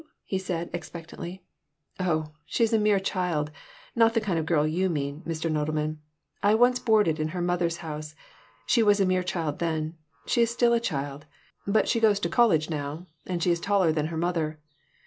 he said, expectantly. "Oh, she is a mere child, not the kind of girl you mean, Mr. Nodelman. I once boarded in her mother's house. She was a mere child then. She is still a child, but she goes to college now, and she is taller than her mother.